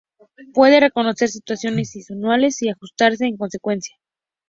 Pueden reconocer situaciones inusuales y ajustarse en consecuencia.